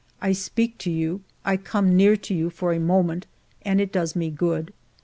1 speak to you, I come near to you for a moment, and it does me good. .